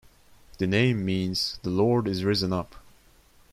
The name means, the Lord is risen up.